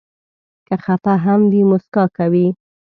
که خفه هم وي، مسکا کوي.